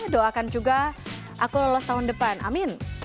doakan juga aku lolos tahun depan amin